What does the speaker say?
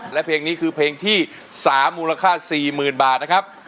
และเพลงนี้คือเพลงที่๓มูลค่า๔๐๐๐บาทนะครับ